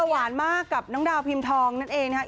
หวานมากกับน้องดาวพิมพ์ทองนั่นเองนะครับ